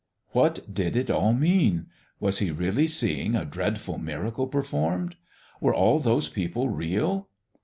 What did it all mean; was he really seeing a dreadful miracle performed; were all those people real?